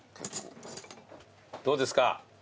どうですか？